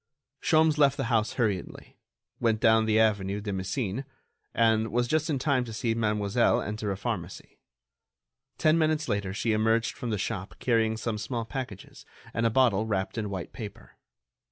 Sholmes left the house hurriedly, went down the avenue de Messine, and was just in time to see Mademoiselle enter a pharmacy. Ten minutes later she emerged from the shop carrying some small packages and a bottle wrapped in white paper.